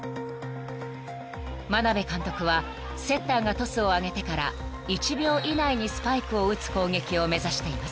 ［眞鍋監督はセッターがトスを上げてから１秒以内にスパイクを打つ攻撃を目指しています］